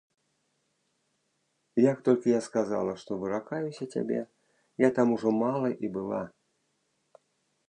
Як толькі я сказала, што выракаюся цябе, я там ужо мала і была.